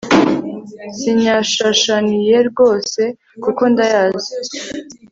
sinyashyashyaniye rwose kuko ndayazi